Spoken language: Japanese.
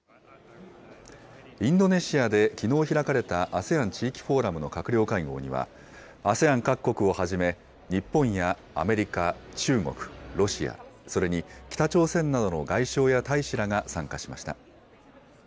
インドネシアできのう開かれた、ＡＳＥＡＮ地域フォーラムの閣僚会合には、ＡＳＥＡＮ各国をはじめ、日本やアメリカ、中国、ロシア、それに北朝鮮などの外相や大使らが参加しました。